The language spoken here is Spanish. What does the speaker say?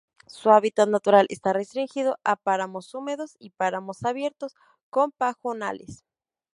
Su hábitat natural está restringido a páramos húmedos y páramos abiertos con pajonales.